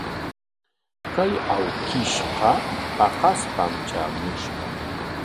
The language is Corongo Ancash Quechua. Kay awkishqa paqaspam traamushqa.